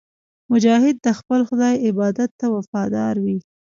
مجاهد د خپل خدای عبادت ته وفادار وي.